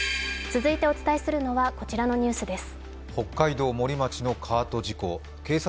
続いてお伝えするのはこちらのニュースです。